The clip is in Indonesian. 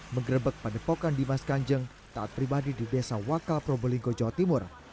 mengerebek padepokan dimas kanjeng taat pribadi di desa wakal probolinggo jawa timur